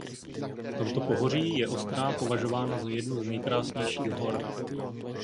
V tomto pohoří je Ostrá považována za jednu z nejkrásnějších hor.